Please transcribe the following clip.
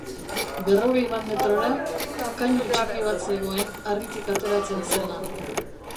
Berrogei bat metrora, kainu txiki bat zegoen harritik ateratzen zena.